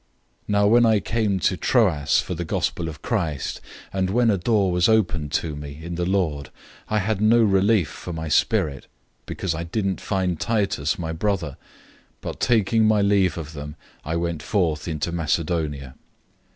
002:012 Now when I came to Troas for the Good News of Christ, and when a door was opened to me in the Lord, 002:013 I had no relief for my spirit, because I didn't find Titus, my brother, but taking my leave of them, I went out into Macedonia.